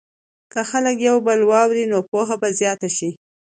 که خلک یو بل واوري، نو پوهه به زیاته شي.